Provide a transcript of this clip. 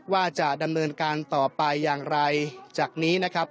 ว่าจะดำเนินการต่อไปอย่างไรจากนี้นะครับ